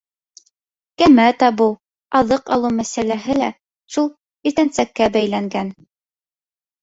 Кәмә табыу, аҙыҡ алыу мәсьәләһе лә шул иртәнсәккә бәйләнгән.